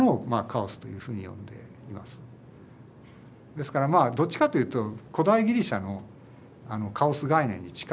ですからまあどっちかというと古代ギリシャのカオス概念に近い。